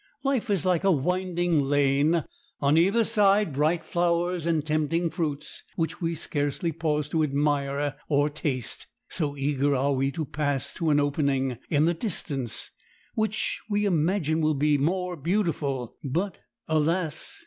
Life is like a winding lane—on either side bright flowers and tempting fruits, which we scarcely pause to admire or taste, so eager are we to pass to an opening in the distance, which we imagine will be more beautiful; but, alas!